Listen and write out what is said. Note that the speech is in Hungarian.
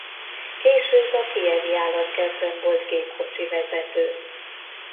Később a kijevi állatkertben volt gépkocsivezető.